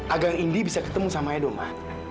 agar indi bisa ketemu sama edo ma